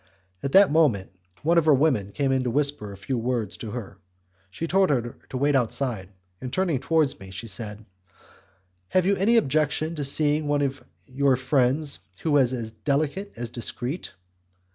At that moment, one of her women came in to whisper a few words to her; she told her to wait outside, and turning towards me, she said, "Have you any objection to seeing one of your friends who is as delicate as discreet?"